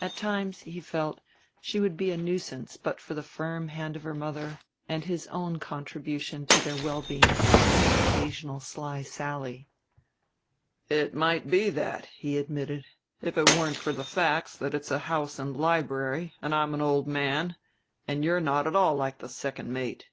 At times, he felt, she would be a nuisance but for the firm hand of her mother and his own contribution to their well being by an occasional sly sally. "It might be that," he admitted; "if it weren't for the facts that it's a house and library, and I'm an old man, and you're not at all like the second mate."